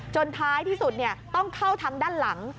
ท้ายที่สุดต้องเข้าทางด้านหลัง